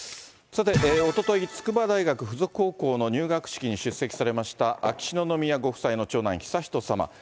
さて、おととい、筑波大学附属高校の入学式に出席されました秋篠宮ご夫妻の長男、悠仁さま。